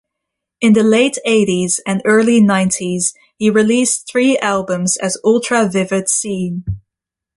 In the late eighties and early-nineties he released three albums as Ultra Vivid Scene.